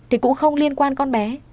thì cũng không liên quan con bé